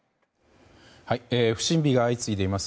不審火が相次いでいます